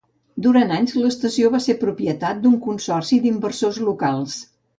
Durant anys, l'estació va ser propietat d'un consorci d'inversors locals.